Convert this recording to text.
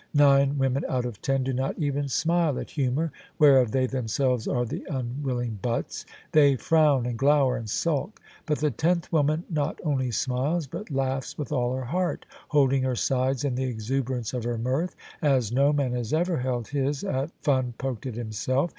Nine women out of ten do not even smile at humour whereof they themselves are the unwilling butts: they frown and glower and sulk: but the tenth woman not only smiles but lau^ with all her heart, holding her sides in the exuberance of her mirth, as no man has ever held his at fun poked at himself.